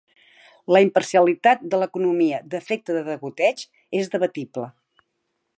La imparcialitat de la economia d'efecte de degoteig és debatible.